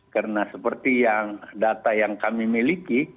karena seperti yang data yang kami miliki